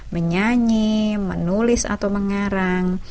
menyanyi menulis atau mengarang